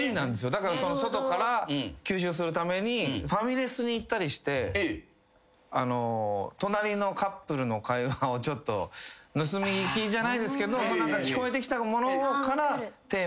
だから外から吸収するためにファミレスに行ったりして隣のカップルの会話をちょっと盗み聞きじゃないけど。